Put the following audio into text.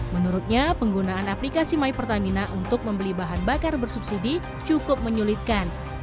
menurutnya penggunaan aplikasi my pertamina untuk membeli bahan bakar bersubsidi cukup menyulitkan